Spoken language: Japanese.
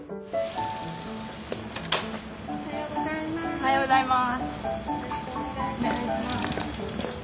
おはようございます！